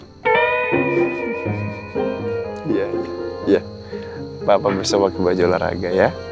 iya iya papa besok pakai baju olahraga ya